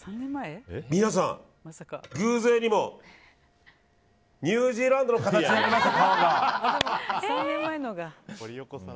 皆さん、偶然にもニュージーランドの形になりました。